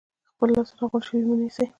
خپل لاسونه غونډ شوي مه نیسئ،